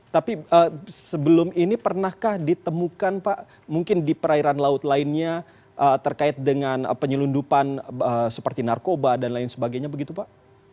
tapi sebelum ini pernahkah ditemukan pak mungkin di perairan laut lainnya terkait dengan penyelundupan seperti narkoba dan lain sebagainya begitu pak